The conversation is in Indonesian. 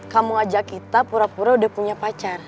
kamu ajak kita pura pura udah punya pacar